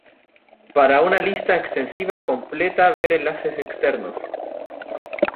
Para una lista extensiva completa ver enlaces externos.